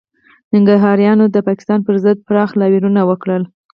ننګرهاریانو د پاکستان پر ضد پراخ لاریونونه وکړل